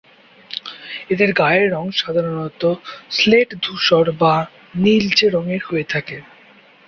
এদের গায়ের রং সাধারণত স্লেট-ধূসর বা নীলচে রঙের হয়ে থাকে।